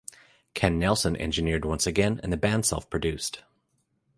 Ken Nelson engineered once again and the band self produced.